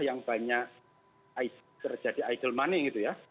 yang banyak terjadi idol money gitu ya